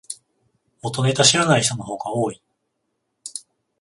元ネタ知らない人の方が多い